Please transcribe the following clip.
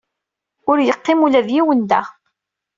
Ur yeqqim ula d yiwen da.